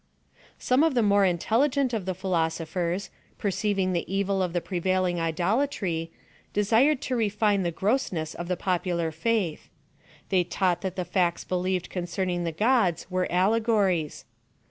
Some of the more intelligent of the philosophers, perceiving the evil of the prevailing idolatry, de sired to refine the grossness of the popular faith. They taught that the facts believed concerning the gods were allegories.